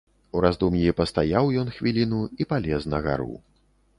У раздум'і пастаяў ён хвіліну і палез на гару.